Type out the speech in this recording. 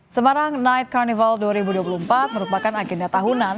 semarang night carnival dua ribu dua puluh empat merupakan agenda tahunan